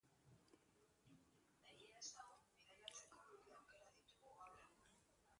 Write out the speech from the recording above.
Eguraldi garbia bazen, bazegoen zer ikusia.